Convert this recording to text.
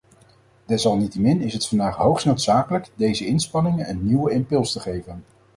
Desalniettemin is het vandaag hoogst noodzakelijk deze inspanningen een nieuwe impuls te geven.